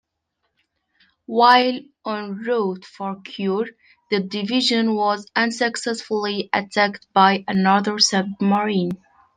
While en route for Kure, the division was unsuccessfully attacked by another submarine.